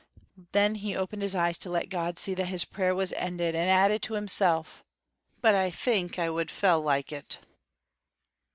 Then he opened his eyes to let God see that his prayer was ended, and added to himself: "But I think I would fell like it."